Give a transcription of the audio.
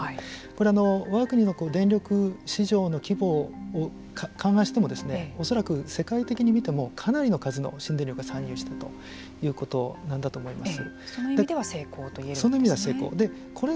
これ、わが国の電力市場の規模を勘案しても恐らく世界的に見てもかなりの数の新電力が参入したということなんだと思います。